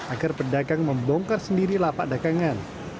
agar pedagang membongkar sendiri lapak dagangan